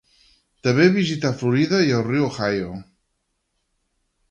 També visità Florida i el riu Ohio.